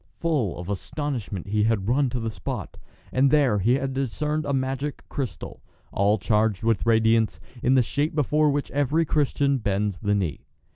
Full of astonishment he had run to the spot, and there he had discerned a magic crystal, all charged with radiance, in the shape before which every Christian bends the knee.